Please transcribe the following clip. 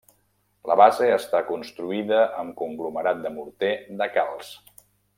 La base està construïda amb conglomerat de morter de calç.